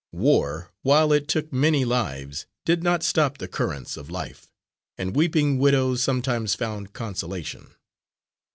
War, while it took many lives, did not stop the currents of life, and weeping widows sometimes found consolation.